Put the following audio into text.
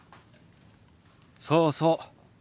そうそう。